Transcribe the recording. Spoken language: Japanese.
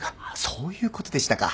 そういうことでしたか。